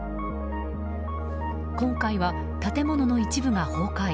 今回は建物の一部が崩壊。